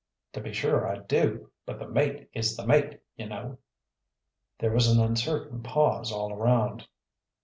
"To be sure I do; but the mate is the mate, ye know." There was an uncertain pause all around.